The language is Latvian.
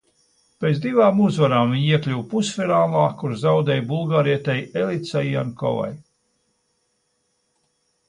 Pēc divām uzvarām viņa iekļuva pusfinālā, kur zaudēja bulgārietei Elicai Jankovai.